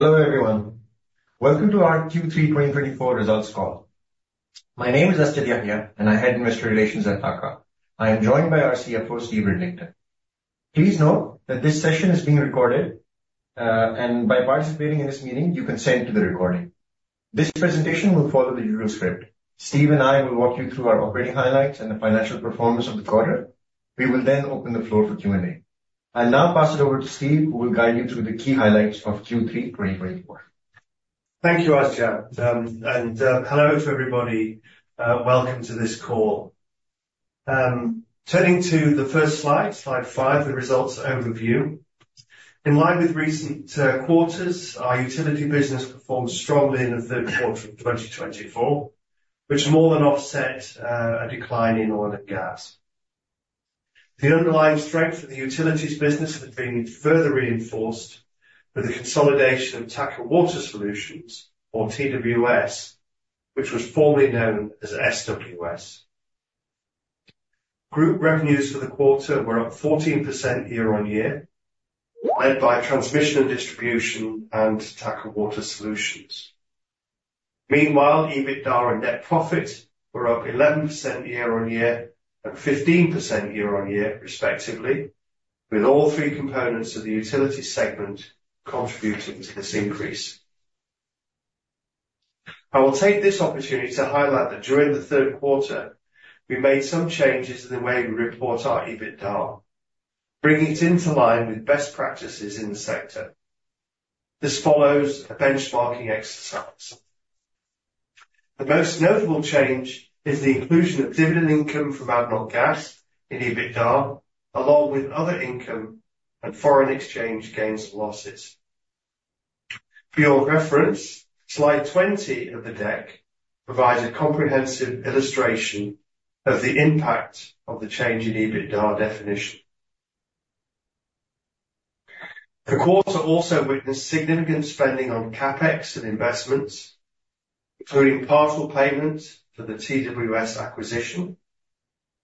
Hello everyone. Welcome to our Q3 2024 Results Call. My name is Asjad Yahya, and I head investor relations at TAQA. I am joined by our CFO, Stephen Ridlington. Please note that this session is being recorded, and by participating in this meeting, you consent to the recording. This presentation will follow the usual script. Steve and I will walk you through our operating highlights and the financial performance of the quarter. We will then open the floor for Q&A. I'll now pass it over to Steve, who will guide you through the key highlights of Q3 2024. Thank you, Asjad, and hello to everybody. Welcome to this call. Turning to the first slide, slide five, the results overview. In line with recent quarters, our utility business performed strongly in the Q3 of 2024, which more than offset a decline in oil and gas. The underlying strength of the utilities business has been further reinforced with the consolidation of TAQA Water Solutions, or TWS, which was formerly known as SWS. Group revenues for the quarter were up 14% year on year, led by transmission and distribution and TAQA Water Solutions. Meanwhile, EBITDA and net profit were up 11% year on year and 15% year on year, respectively, with all three components of the utility segment contributing to this increase. I will take this opportunity to highlight that during the Q3, we made some changes in the way we report our EBITDA, bringing it into line with best practices in the sector. This follows a benchmarking exercise. The most notable change is the inclusion of dividend income from ADNOC Gas in EBITDA, along with other income and foreign exchange gains and losses. For your reference, slide 20 of the deck provides a comprehensive illustration of the impact of the change in EBITDA definition. The quarter also witnessed significant spending on CapEx and investments, including partial payment for the TWS acquisition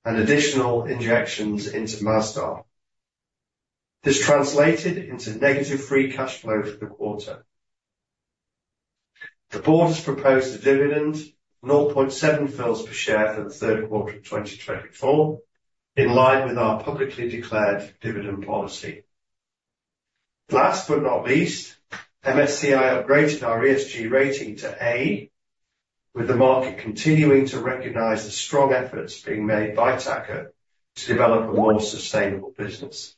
and additional injections into Masdar. This translated into negative free cash flow for the quarter. The board has proposed a dividend of AED 0.007 per share for the Q3 of 2024, in line with our publicly declared dividend policy. Last but not least, MSCI upgraded our ESG rating to A, with the market continuing to recognize the strong efforts being made by TAQA to develop a more sustainable business.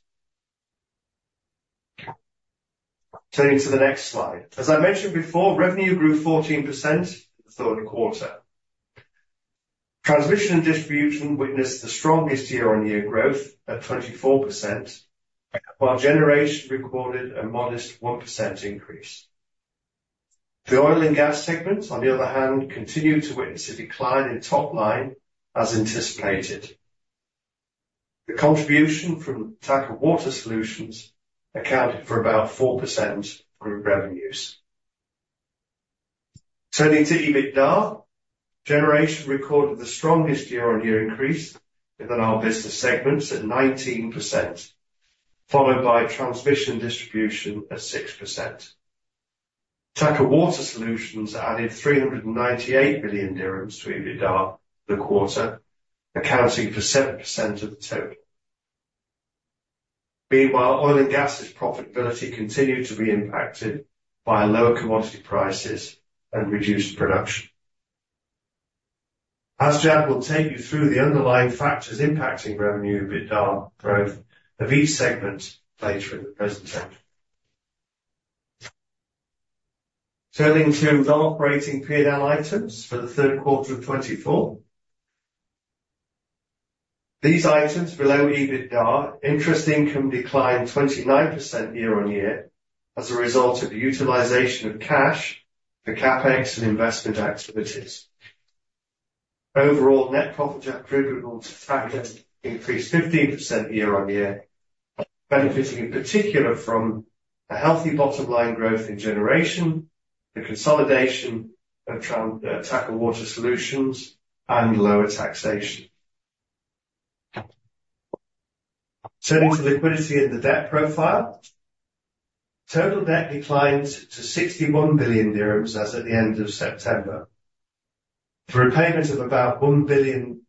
Turning to the next slide. As I mentioned before, revenue grew 14% in the Q3. Transmission and distribution witnessed the strongest year-on-year growth at 24%, while generation recorded a modest 1% increase. The oil and gas segment, on the other hand, continued to witness a decline in top line as anticipated. The contribution from TAQA Water Solutions accounted for about 4% of group revenues. Turning to EBITDA, generation recorded the strongest year-on-year increase within our business segments at 19%, followed by transmission and distribution at 6%. TAQA Water Solutions added 398 million dirhams to EBITDA for the quarter, accounting for 7% of the total. Meanwhile, oil and gas's profitability continued to be impacted by lower commodity prices and reduced production. Asjad will take you through the underlying factors impacting revenue and EBITDA growth of each segment later in the presentation. Turning to non-operating P&L items for the Q3 of 2024. These items, below EBITDA, interest income declined 29% year on year as a result of the utilization of cash for CapEx and investment activities. Overall, net profit attributable to TAQA increased 15% year on year, benefiting in particular from a healthy bottom line growth in generation, the consolidation of TAQA Water Solutions, and lower taxation. Turning to liquidity and the debt profile. Total debt declined to 61 billion dirhams as of the end of September. The repayment of about $1 billion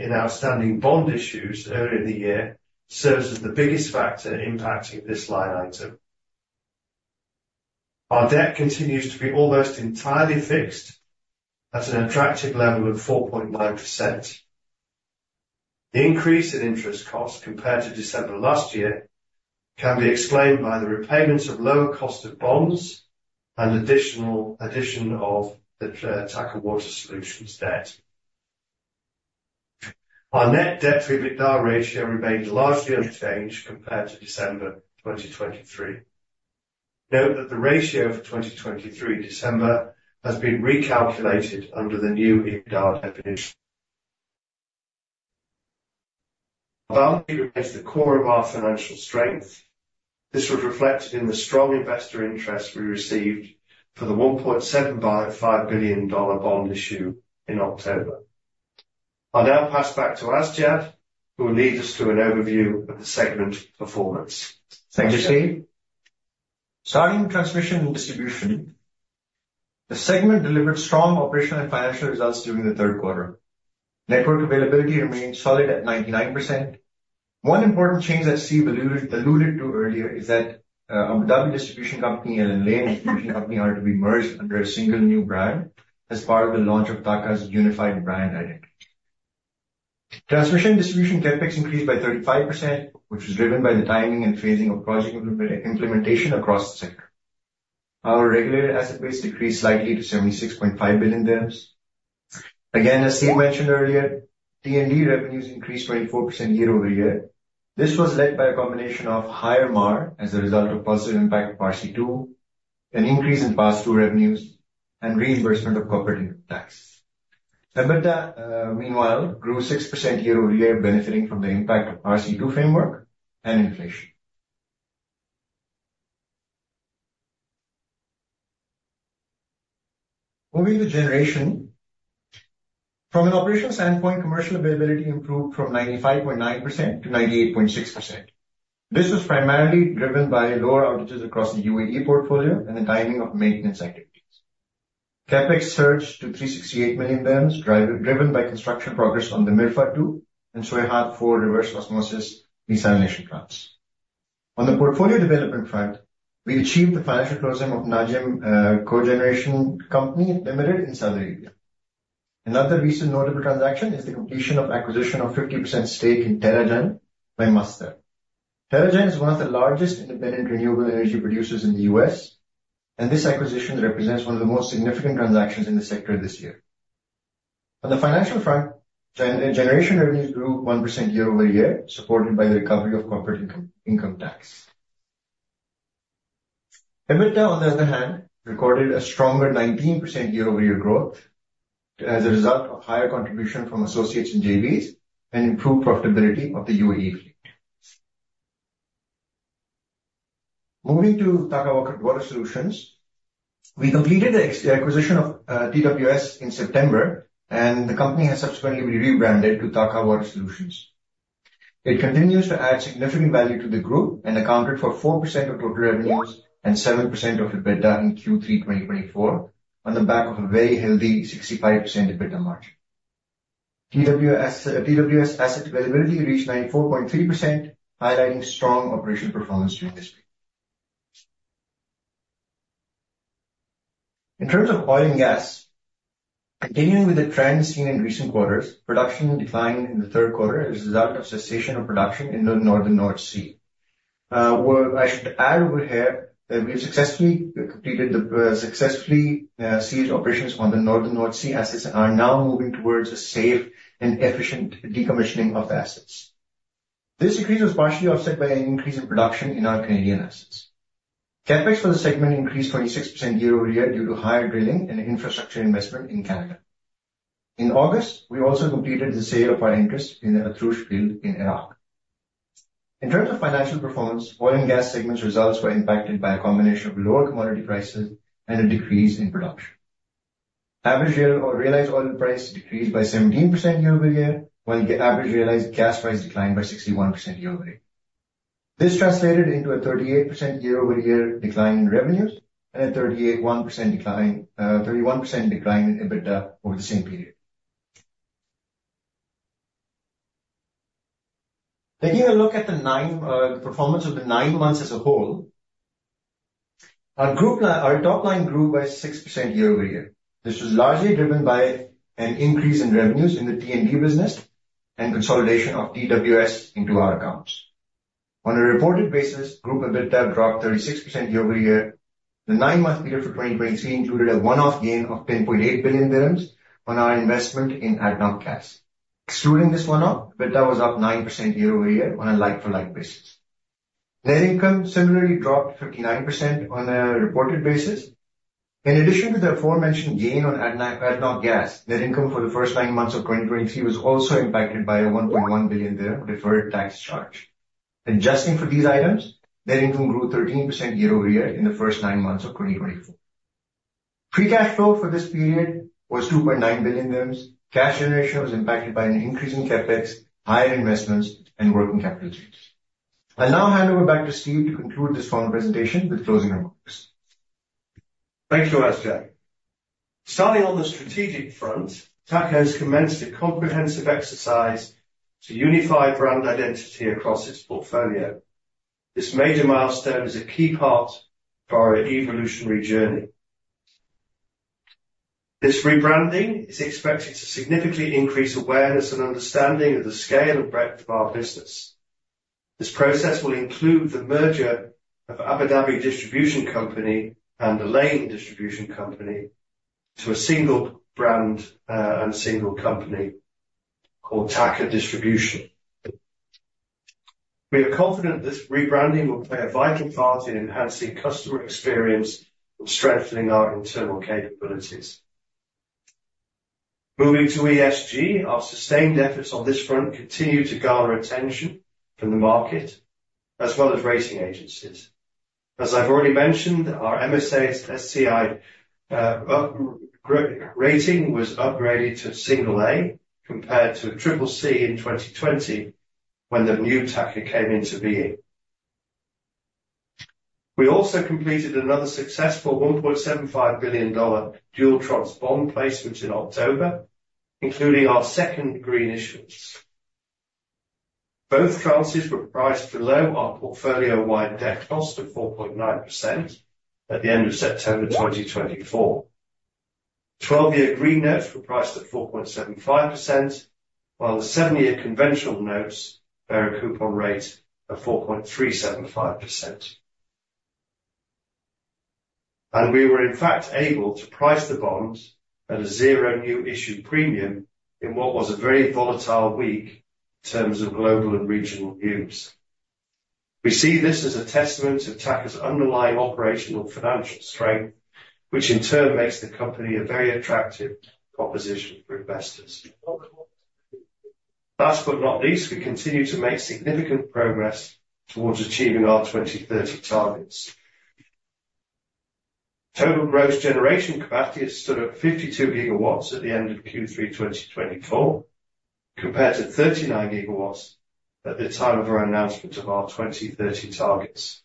in outstanding bond issues earlier in the year serves as the biggest factor impacting this line item. Our debt continues to be almost entirely fixed at an attractive level of 4.9%. The increase in interest costs compared to December last year can be explained by the repayment of lower cost of bonds and additional addition of the TAQA Water Solutions debt. Our net debt to EBITDA ratio remained largely unchanged compared to December 2023. Note that the ratio for 2023 December has been recalculated under the new EBITDA definition. Our balance sheet remains the core of our financial strength. This was reflected in the strong investor interest we received for the $1.75 billion bond issue in October. I'll now pass back to Asjad, who will lead us to an overview of the segment performance. Thank you, Steve. Starting with transmission and distribution, the segment delivered strong operational and financial results during the Q3. Network availability remained solid at 99%. One important change that Steve alluded to earlier is that Abu Dhabi Distribution Company and Al Ain Distribution Company are to be merged under a single new brand as part of the launch of TAQA's unified brand identity. Transmission and distribution CapEx increased by 35%, which was driven by the timing and phasing of project implementation across the sector. Our regulated asset base decreased slightly to 76.5 billion dirhams. Again, as Steve mentioned earlier, T&D revenues increased 24% year over year. This was led by a combination of higher MAR as a result of positive impact of RC2, an increase in pass-through revenues, and reimbursement of corporate income tax. EBITDA, meanwhile, grew 6% year over year, benefiting from the impact of RC2 framework and inflation. Moving to generation. From an operational standpoint, commercial availability improved from 95.9% to 98.6%. This was primarily driven by lower outages across the UAE portfolio and the timing of maintenance activities. CapEx surged to 368 million, driven by construction progress on the Mirfa 2 and Shuweihat 4 reverse osmosis desalination plants. On the portfolio development front, we achieved the financial closing of Najim Co., Ltd. in Saudi Arabia. Another recent notable transaction is the completion of acquisition of 50% stake in Terra-Gen by Masdar. Terra-Gen is one of the largest independent renewable energy producers in the US, and this acquisition represents one of the most significant transactions in the sector this year. On the financial front, generation revenues grew 1% year over year, supported by the recovery of corporate income tax. EBITDA, on the other hand, recorded a stronger 19% year-over-year growth as a result of higher contribution from associates and JVs and improved profitability of the UAE fleet. Moving to TAQA Water Solutions, we completed the acquisition of TWS in September, and the company has subsequently been rebranded to TAQA Water Solutions. It continues to add significant value to the group and accounted for 4% of total revenues and 7% of EBITDA in Q3 2024 on the back of a very healthy 65% EBITDA margin. TWS asset availability reached 94.3%, highlighting strong operational performance during this period. In terms of oil and gas, continuing with the trends seen in recent quarters, production declined in the Q3 as a result of cessation of production in the Northern North Sea. I should add over here that we have successfully completed the ceased operations on the Northern North Sea assets and are now moving towards a safe and efficient decommissioning of the assets. This increase was partially offset by an increase in production in our Canadian assets. CapEx for the segment increased 26% year over year due to higher drilling and infrastructure investment in Canada. In August, we also completed the sale of our interest in the Atrush field in Iraq. In terms of financial performance, oil and gas segment's results were impacted by a combination of lower commodity prices and a decrease in production. Average realized oil price decreased by 17% year over year, while the average realized gas price declined by 61% year over year. This translated into a 38% year-over-year decline in revenues and a 31% decline in EBITDA over the same period. Taking a look at the performance of the nine months as a whole, our top line grew by 6% year over year. This was largely driven by an increase in revenues in the T&D business and consolidation of TWS into our accounts. On a reported basis, group EBITDA dropped 36% year over year. The nine-month period for 2023 included a one-off gain of 10.8 billion dirhams on our investment in ADNOC Gas. Excluding this one-off, EBITDA was up 9% year over year on a like-for-like basis. Net income similarly dropped 59% on a reported basis. In addition to the aforementioned gain on ADNOC Gas, net income for the first nine months of 2023 was also impacted by a 1.1 billion dirham deferred tax charge. Adjusting for these items, net income grew 13% year over year in the first nine months of 2024. Pre-cash flow for this period was 2.9 billion dirhams. Cash generation was impacted by an increase in CapEx, higher investments, and working capital changes. I'll now hand over back to Steve to conclude this final presentation with closing remarks. Thank you, Asjad. Starting on the strategic front, TAQA has commenced a comprehensive exercise to unify brand identity across its portfolio. This major milestone is a key part of our evolutionary journey. This rebranding is expected to significantly increase awareness and understanding of the scale and breadth of our business. This process will include the merger of Abu Dhabi Distribution Company and Al Ain Distribution Company to a single brand and single company called TAQA Distribution. We are confident this rebranding will play a vital part in enhancing customer experience and strengthening our internal capabilities. Moving to ESG, our sustained efforts on this front continue to garner attention from the market as well as rating agencies. As I've already mentioned, our MSCI rating was upgraded to single A compared to triple C in 2020 when the new TAQA came into being. We also completed another successful $1.75 billion dual tranche bond placement in October, including our second green issuance. Both tranches were priced below our portfolio-wide debt cost of 4.9% at the end of September 2024. 12-year green notes were priced at 4.75%, while the 7-year conventional notes bear a coupon rate of 4.375%. And we were, in fact, able to price the bonds at a zero new issue premium in what was a very volatile week in terms of global and regional news. We see this as a testament to TAQA's underlying operational and financial strength, which in turn makes the company a very attractive proposition for investors. Last but not least, we continue to make significant progress towards achieving our 2030 targets. Total gross generation capacity has stood at 52 gigawatts at the end of Q3 2024, compared to 39 gigawatts at the time of our announcement of our 2030 targets.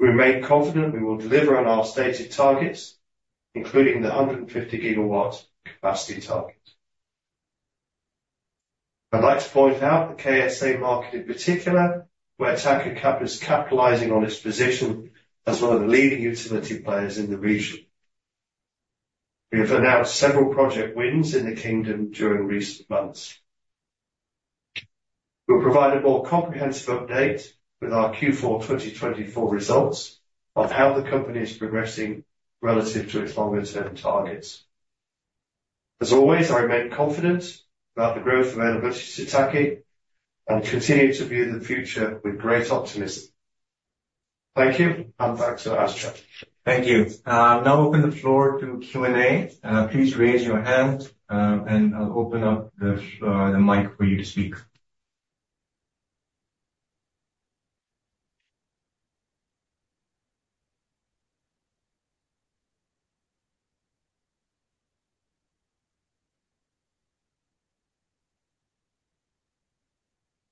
We remain confident we will deliver on our stated targets, including the 150 gigawatt capacity target. I'd like to point out the KSA market in particular, where TAQA is capitalizing on its position as one of the leading utility players in the region. We have announced several project wins in the kingdom during recent months. We'll provide a more comprehensive update with our Q4 2024 results on how the company is progressing relative to its longer-term targets. As always, I remain confident about the growth availability to TAQA and continue to view the future with great optimism. Thank you, and thanks to Asjad. Thank you. I'll now open the floor to Q&A. Please raise your hand, and I'll open up the mic for you to speak.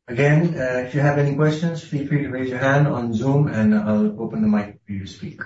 Again, if you have any questions, feel free to raise your hand on Zoom, and I'll open the mic for you to speak.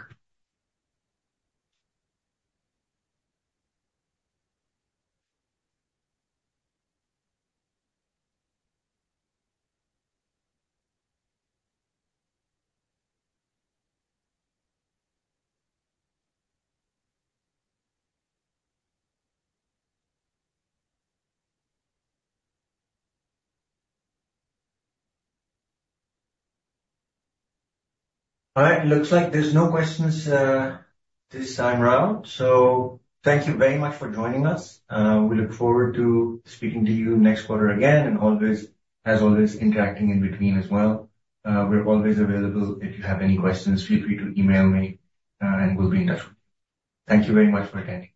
All right, it looks like there's no questions this time around. So thank you very much for joining us. We look forward to speaking to you next quarter again and, as always, interacting in between as well. We're always available. If you have any questions, feel free to email me, and we'll be in touch with you. Thank you very much for attending.